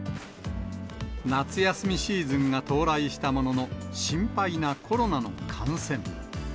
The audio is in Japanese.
夏休みシーズンが到来したものの、心配なコロナの感染。